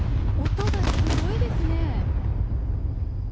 音がすごいですね。